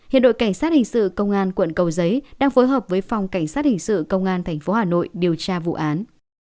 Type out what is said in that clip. hiện đội cảnh sát hình sự công an quận cầu giấy đang phối hợp với phòng cảnh sát hình sự công an tp hà nội điều tra vụ án